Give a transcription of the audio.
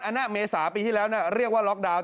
หน้าเมษาปีที่แล้วเรียกว่าล็อกดาวน์